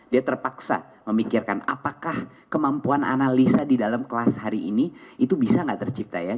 dia terpaksa memikirkan apakah kemampuan analisa di dalam kelas hari ini itu bisa nggak tercipta ya